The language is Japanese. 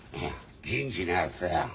銀次のやつだよ。